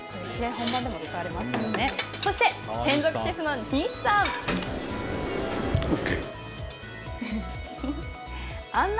そして、専属シェフの西さん。